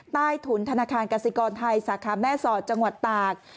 ใต้ถุนธนาคารกสิกรไทยสาขาแม่สอดจังหวัดตาก